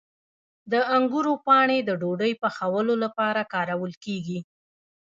د انګورو پاڼې د ډوډۍ پخولو لپاره کارول کیږي.